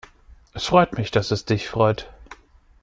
Es freut mich, dass es dich freut.